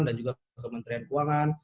dan juga kementerian keuangan